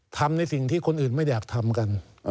ทำในสิ่งที่คนอื่นไม่อยากทำกัน